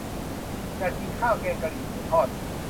อยากกินข้าวแกงกะหรี่หมูทอด